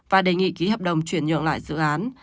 và đề nghị ký hợp đồng chuyển nhượng lại dự án